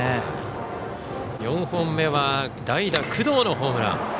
４本目は代打、工藤のホームラン。